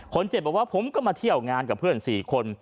บอกว่าผมก็มาเที่ยวงานกับเพื่อน๔คน